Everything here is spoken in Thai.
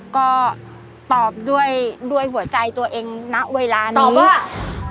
ก็ตอบด้วยด้วยหัวใจตัวเองณเวลานี้ว่า